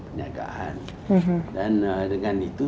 perniagaan dan dengan itu